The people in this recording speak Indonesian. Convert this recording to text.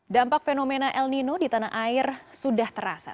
dampak fenomena el nino di tanah air sudah terasa